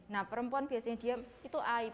nah perempuan biasanya diam itu aib